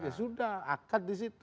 ya sudah akad di situ